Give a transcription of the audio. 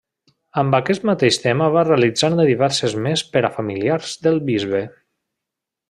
Amb aquest mateix tema va realitzar-ne diverses més per a familiars del bisbe.